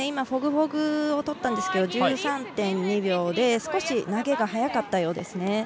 ホグホグをとったんですが１３．２秒で少し投げが速かったようですね。